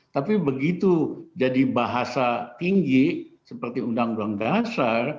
tapi begitu jadi bahasa tinggi seperti undang undang dasar